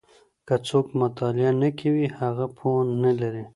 که څوک مطالعه نه کوي، هغه پوهه نه لري.